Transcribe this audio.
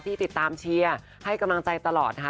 ติดตามเชียร์ให้กำลังใจตลอดนะคะ